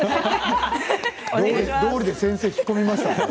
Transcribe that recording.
どうりで先生が引っ込みましたね。